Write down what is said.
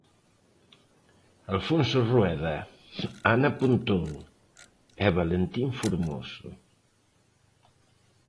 Alfonso Rueda, Ana Pontón e Valentín Formoso.